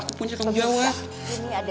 aku punya tanggung jawab